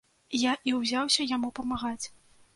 Я і ўзяўся яму памагаць.